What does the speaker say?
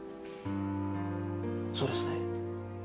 そうですね？